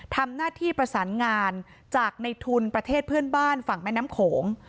ทำหน้าที่ประสานงานจากในทุนประเทศเพื่อนบ้านฝั่งแม่น้ำโขง